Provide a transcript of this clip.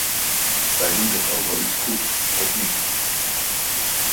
Wij doen toch ook wel iets goeds, of niet?